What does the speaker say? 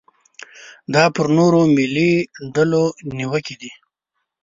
دا پر نورو ملي ډلو نیوکې دي.